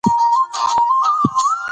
جیسن ګیل یو فن سبک لري.